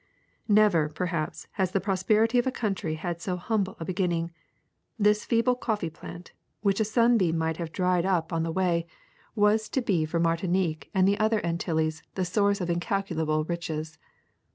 Never, perhaps, has the prosperity of a country had so humble a beginning : this feeble coffee plant, which a sunbeam might have dried up on the 174 THE SECRET OF EVERYDAY THINGS way, was to be for Martinique and the other Antilles the source of incalculable riches.